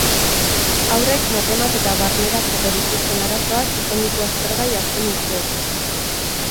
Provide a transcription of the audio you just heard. Haurrek matematika barneratzeko dituzten arazoak izan ditu aztergai azken urteotan.